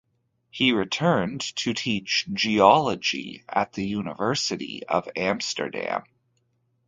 He returned to teach geology at the University of Amsterdam.